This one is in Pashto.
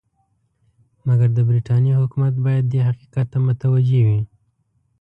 مګر د برټانیې حکومت باید دې حقیقت ته متوجه وي.